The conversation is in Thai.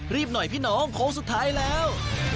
รีบหน่อยพี่น้องโค้งสุดท้ายแล้ว